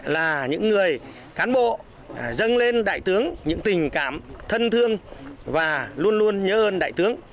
là những người cán bộ dâng lên đại tướng những tình cảm thân thương và luôn luôn nhớ ơn đại tướng